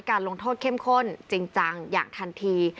ลงโทษเข้มข้นจริงจังอย่างทันที